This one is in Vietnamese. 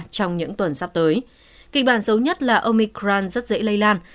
trong những tuần sắp tới kịch bản xấu nhất là omicran rất dễ lây lan